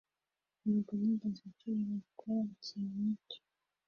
ntabwo nigeze nshobora gukora ikintu nkicyo